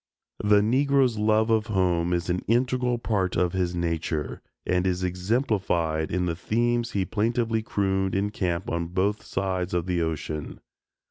The Negro's love of home is an integral part of his nature, and is exemplified in the themes he plaintively crooned in camp on both sides of the ocean.